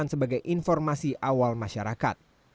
sebagai informasi awal masyarakat